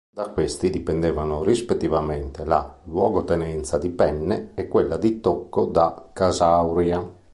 Da questi dipendevano rispettivamente la Luogotenenza di Penne e quella di Tocco da Casauria.